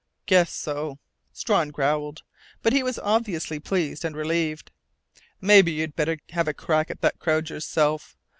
"Guess so," Strawn growled, but he was obviously pleased and relieved. "Maybe you'd better have a crack at that crowd yourself.